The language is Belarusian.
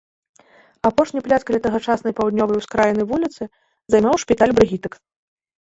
Апошні пляц каля тагачаснай паўднёвай ускраіны вуліцы займаў шпіталь брыгітак.